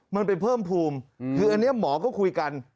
มันไปเพิ่มภูมิคืออันนี้หมอก็คุยกัน